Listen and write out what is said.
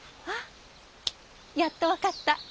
あっやっと分かった！